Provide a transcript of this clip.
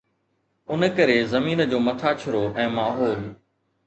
ان ڪري زمين جو مٿاڇرو ۽ ماحول